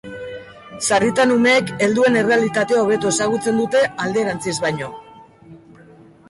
Sarritan umeek helduen errealitatea hobeto ezagutzen dute alderantziz baino.